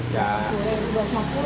ya lu harus mampu